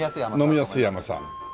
飲みやすい甘さ。